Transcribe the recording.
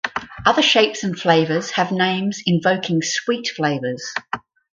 Other shapes and flavors have names invoking sweet flavors.